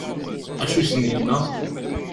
Acu i sen-yenna?